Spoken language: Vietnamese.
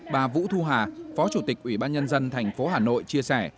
bà vũ thu hà phó chủ tịch ủy ban nhân dân thành phố hà nội chia sẻ